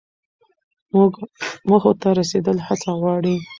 موخو ته رسیدل هڅه غواړي.